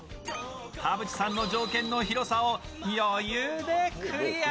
田渕さんの条件の広さを余裕でクリア。